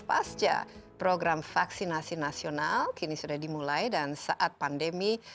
pasca program vaksinasi nasional kini sudah dimulai dan saat pandemi